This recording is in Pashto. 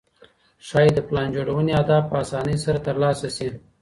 ښايي د پلان جوړوني اهداف په اسانۍ سره ترلاسه سي.